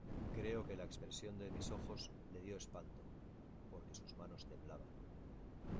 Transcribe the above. creo que la expresión de mis ojos le dió espanto, porque sus manos temblaban.